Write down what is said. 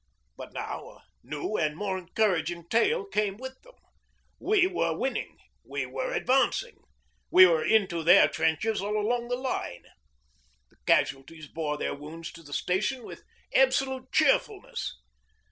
But now a new and more encouraging tale came with them. We were winning ... we were advancing ... we were into their trenches all along the line. The casualties bore their wounds to the station with absolute cheerfulness.